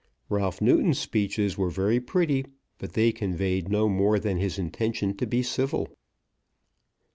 Ralph Newton's speeches were very pretty, but they conveyed no more than his intention to be civil.